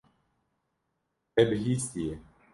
Te bihîstiye.